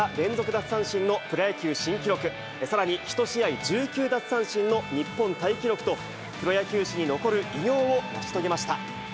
奪三振のプロ野球新記録、さらに、１試合１９奪三振の日本タイ記録と、プロ野球史に残る偉業を成し遂げました。